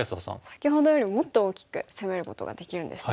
先ほどよりもっと大きく攻めることができるんですね。